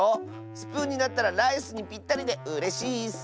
スプーンになったらライスにぴったりでうれしいッス。